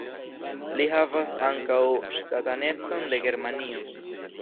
Li havas ankaŭ ŝtatanecon de Germanio.